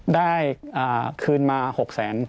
ได้คืนมา๖๐๐๐๐๐บาท